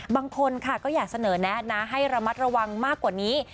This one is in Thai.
บางคนค่ะก็อยากเสนอแนะนะให้ระมัดระวังมากกว่านี้